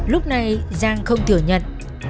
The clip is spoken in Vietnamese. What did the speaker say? lúc này giang không thử nhận